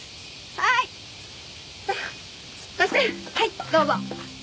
はいどうぞ。